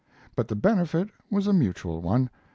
But the benefit was a mutual one.